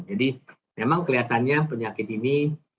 jadi memang kelihatannya penyakit ini